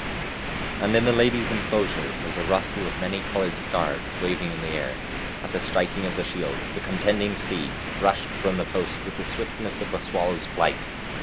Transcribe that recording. And in the ladies' inclosure was a rustle of many colored scarves waving in the air. At the striking of the shields the contending steeds rushed from the post with the swiftness of a swallow's flight.